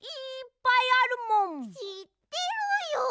しってるよ。